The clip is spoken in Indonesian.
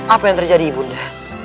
apa yang terjadi ibu unda